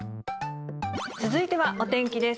続いてはお天気です。